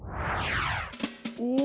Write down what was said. お！